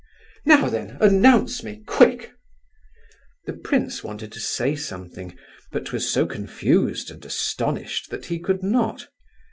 "Now then—announce me, quick!" The prince wanted to say something, but was so confused and astonished that he could not.